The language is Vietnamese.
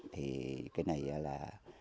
thì cái này là